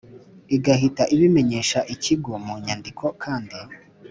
igahita ibimenyesha ikigo mu nyandiko kandi